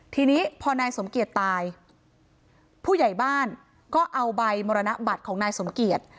ทีนี้พอนายสมเกียจตายผู้ใหญ่บ้านก็เอาใบมรณบัตรของนายสมเกียจ